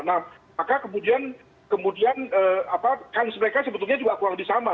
nah maka kemudian kans mereka sebetulnya juga kurang lebih sama